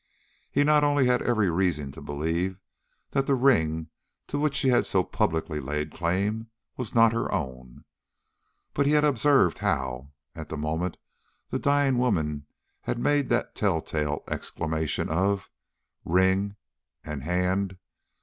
He not only had every reason to believe that the ring to which she had so publicly laid claim was not her own, but he had observed how, at the moment the dying woman had made that tell tale exclamation of "Ring and _Hand!